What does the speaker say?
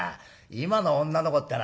今の女の子ってのはな